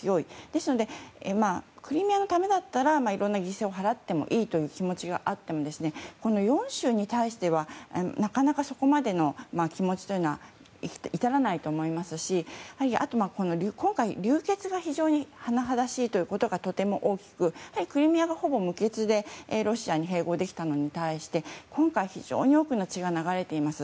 ですのでクリミアのためだったらいろんな犠牲を払ってもいいという気持ちがあってもこの４州に対してはそこまでの気持ちというのは至らないと思いますし今回、流血が非常に甚だしいということがとても大きくクリミアがほぼ無血でロシアに併合できたのに対して今回非常に多くの血が流れています。